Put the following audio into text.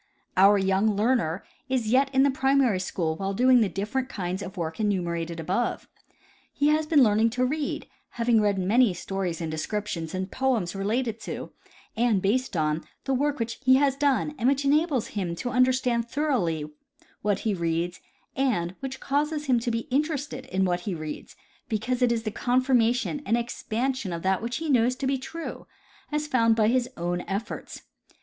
Our young learner is yet in the primary school while doing the difterent kinds of work enumerated above. He has been learning to read, having read many stories and descriptions and poems relating to, and based on, the work which he has done and which enables him to understand thoroughly what he reads, and which causes him to be interested in what he reads, because it is the confirmation and expansion of that which he knoAvs to be true, as found by his own efforts.